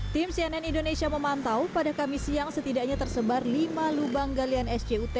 tim cnn indonesia memantau pada kamis siang setidaknya tersebar lima lubang galian sjut